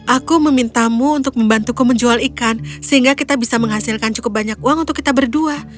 aku memintamu untuk membantuku menjual ikan sehingga kita bisa menghasilkan cukup banyak uang untuk kita berdua